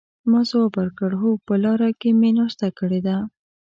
ما ځواب ورکړ: هو، په لاره کې مې ناشته کړې ده.